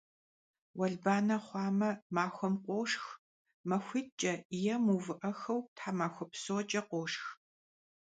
Vuelbane xhuame, maxuem khoşşx, maxuit'ç'e yê mıuvı'ejjıxxeu themaxue psoç'e khoşşx.